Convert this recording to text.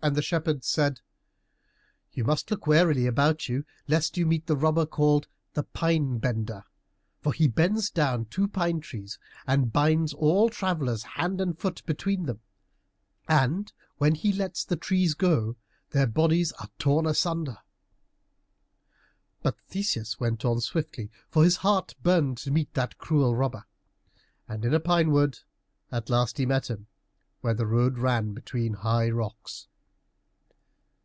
And the shepherds said, "You must look warily about you, lest you meet the robber, called the Pine bender. For he bends down two pine trees and binds all travelers hand and foot between them, and when he lets the trees go their bodies are torn in sunder." But Theseus went on swiftly, for his heart burned to meet that cruel robber. And in a pine wood at last he met him, where the road ran between high rocks.